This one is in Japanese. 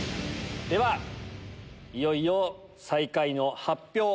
ではいよいよ最下位の発表。